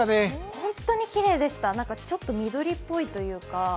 本当にきれいでした、ちょっと緑っぽいというか。